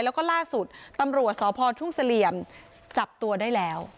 แล้วก็ล่าสุดตำรวจสพทุ่งเสลี่ยมจับตัวได้แล้ว